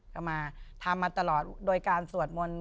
ก็มาทำมาตลอดโดยการสวดมนต์